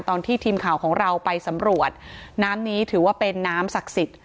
ตอนที่ทีมข่าวของเราไปสำรวจน้ำนี้ถือว่าเป็นน้ำศักดิ์สิทธิ์